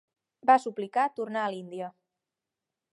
Va suplicar tornar a l'Índia.